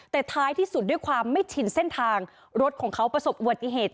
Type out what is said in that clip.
แต่ท้ายที่สุดด้วยความไม่ชินเส้นทางรถของเขาประสบอุบัติเหตุ